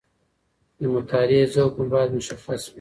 د مطالعې ذوق مو باید مشخص وي.